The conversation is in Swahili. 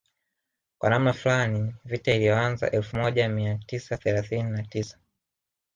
Kwa namna fulani vita iliyoanza elfu moja mia tisa thelathini na tisa